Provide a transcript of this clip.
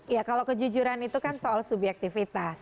ya kalau kejujuran itu kan soal subyektivitas